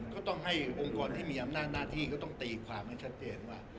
ก็ต้องให้องค์กรที่มีอำนาจหน้าที่ก็ต้องตีความให้ชัดเจนว่า